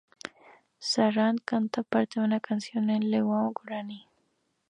Serrat canta parte de una canción en lengua guaraní.